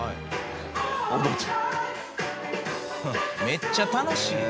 めっちゃ楽しい。